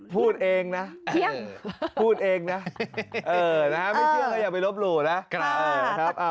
พูดเองนะพูดเองนะไม่เชื่อก็อย่าไปลบหลู่นะ